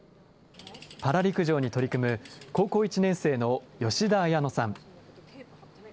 パラ陸上に取り組む高校１年生の吉田彩乃さん。